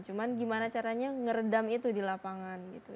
cuma gimana caranya meredam itu di lapangan gitu